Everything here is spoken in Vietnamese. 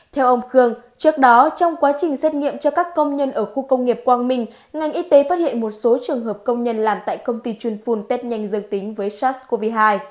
theo ông khương trước đó trong quá trình xét nghiệm cho các công nhân ở khu công nghiệp quang minh ngành y tế phát hiện một số trường hợp công nhân làm tại công ty chuyên phun tết nhanh dương tính với sars cov hai